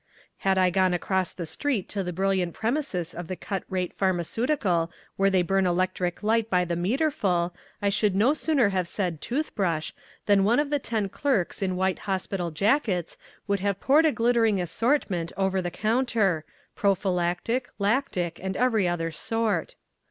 Had I gone across the street to the brilliant premises of the Cut Rate Pharmaceutical where they burn electric light by the meterfull I should no sooner have said "tooth brush," than one of the ten clerks in white hospital jackets would have poured a glittering assortment over the counter prophylactic, lactic and every other sort.